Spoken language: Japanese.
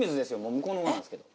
向こうの方なんですけど。